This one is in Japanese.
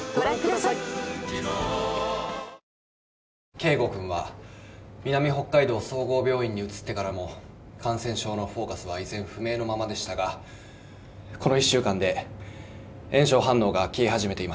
圭吾君は南北海道総合病院に移ってからも感染症のフォーカスは依然不明のままでしたがこの１週間で炎症反応が消え始めています。